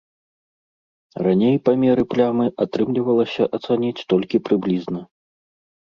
Раней памеры плямы атрымлівалася ацаніць толькі прыблізна.